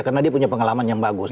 karena dia punya pengalaman yang bagus